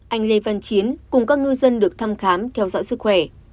anh lê văn chiến cùng các ngư dân được thăm khám theo dõi sức khỏe